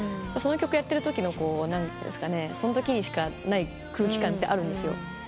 その曲やってるときのそのときにしかない空気感ってあるんですよ。